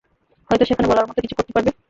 হয়তো সেখানে বলার মতো কিছু করতে পারব।